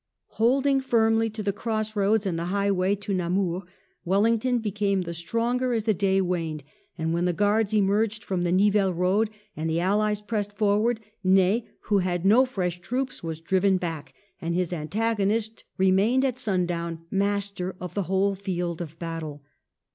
Holding firmly to the cross roads and the highway to Namur, Wellington became the stronger as the day waned ; arid when the Guards emerged from the. Nivelles road and the Allies pressed forward, Ney, who had no fresh troops, was driven back, and his antagonist remained at sundown master of the whole field of battle.